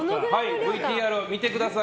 ＶＴＲを見てください。